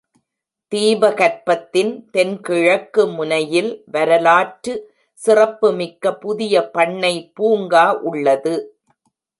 தீபகற்பத்தின் தென்கிழக்கு முனையில் வரலாற்று சிறப்புமிக்க புதிய பண்ணை பூங்கா உள்ளது.